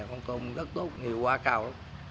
con tôm rất tốt nhiều quá cao